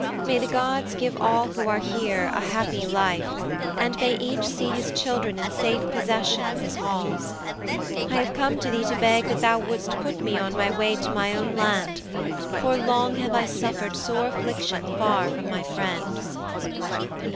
May the gods give all who are here a happy life and may each see his children in safe possession of his halls. I have come to thee to beg that thou wouldst put me on my way to my own land, for long have I suffered sore affliction far from my friends.'